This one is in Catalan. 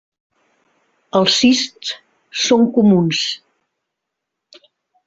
Els cists són comuns.